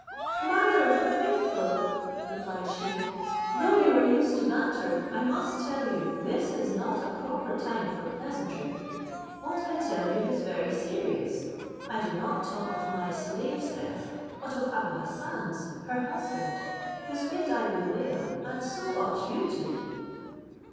"Commander of the faithful," replied she, "though you are used to banter, I must tell you, this is not a proper time for pleasantry. What I tell you is very serious; I do not talk of my slave's death, but of Abou Hassan's, her husband, whose fate I bewail, and so ought you too."